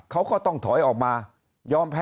เพราะสุดท้ายก็นำไปสู่การยุบสภา